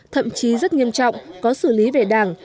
thậm chí rất nghiêm trọng có xử lý về đảng